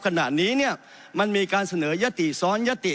ขณะนี้เนี่ยมันมีการเสนอยติซ้อนยติ